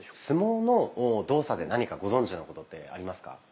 相撲の動作で何かご存じなことってありますか？